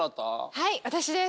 はい私です。